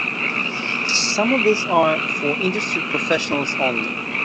Some of these are for industry professionals only.